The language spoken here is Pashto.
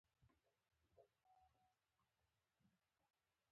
دوکاندار د جمعې ورځ لمونځ ته ځي.